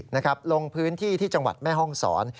ลงพื้นที่ที่จังหวัดแม่ห้องศร